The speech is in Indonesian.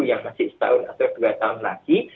yang masih setahun atau dua tahun lagi